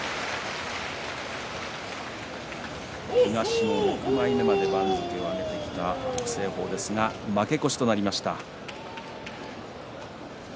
東の６枚目まで番付を上げてきた北青鵬ですが負け越しとなりました。